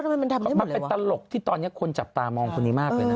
มันเป็นตลกที่ตอนนี้คนจับตามองคนนี้มากเลยนะ